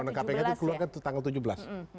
nomor kpk itu keluar kan tanggal tujuh belas